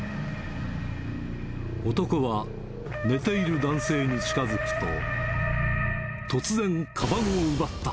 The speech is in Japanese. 男は寝ている男性に近づくと、突然、かばんを奪った。